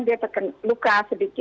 dia terkena luka sedikit